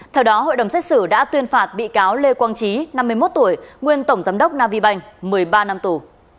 theo đó hội đồng xét xử đã tuyên phạt bị cáo lê quang trí năm mươi một tuổi nguyên tổng giám đốc navi bank một mươi ba năm tù